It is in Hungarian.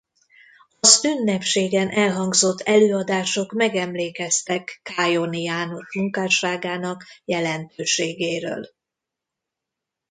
Az ünnepségen elhangzott előadások megemlékeztek Kájoni János munkásságának jelentőségéről.